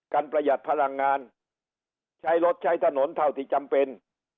ประหยัดพลังงานใช้รถใช้ถนนเท่าที่จำเป็น